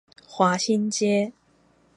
華新街